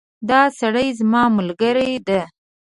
دا سړی زما ملګری ده